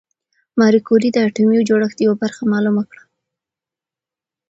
ماري کوري د اتومي جوړښت یوه برخه معلومه کړه.